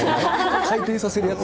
回転させるやつ。